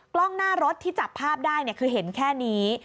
กล้องหน้ารถที่จับภาพได้คือเห็นแค่นี้